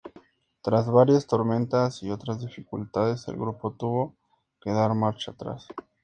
Tras varias tormentas y otras dificultades, el grupo tuvo que dar marcha atrás.